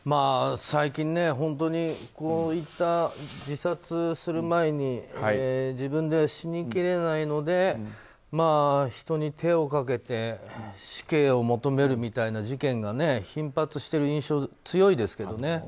最近、本当にこういった自殺する前に自分では死にきれないので人に手をかけて死刑を求めるみたいな事件が頻発している印象強いですけどね。